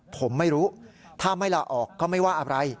ผมไม่รู้ถ้าไม่ลาออกก็ไม่ว่าอะไร